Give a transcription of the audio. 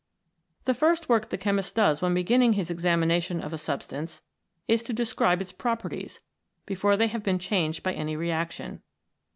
The first work the chemist does when beginning his examination of a substance, is to describe its properties before they have been changed by any reaction.